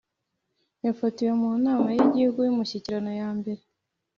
yafatiwe mu Nama y Igihugu y Umushyikirano yambere